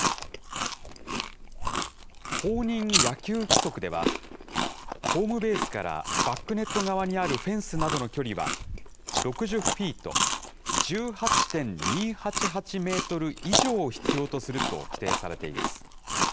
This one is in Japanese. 公認野球規則では、ホームベースからバックネット側にあるフェンスなどの距離は６０フィート・１８．２８８メートル以上必要とすると規定されています。